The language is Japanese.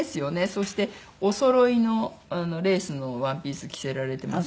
そしておそろいのレースのワンピース着せられてますね。